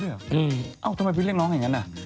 คุณผู้ชมสูงหน้า